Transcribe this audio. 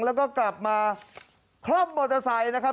แล้วก็กลับมาคล่อมมอเตอร์ไซค์นะครับ